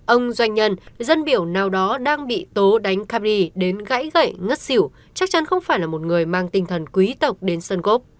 ông doanh nhân dân biểu nào đó đang bị tố đánh canri đến gãy gậy ngất xỉu chắc chắn không phải là một người mang tinh thần quý tộc đến sơn gốc